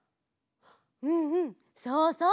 うんうんそうそう！